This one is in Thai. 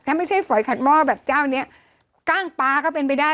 ถ้าไม่ใช่ฝอยขัดหม้อแบบเจ้าเนี้ยกล้างปลาก็เป็นไปได้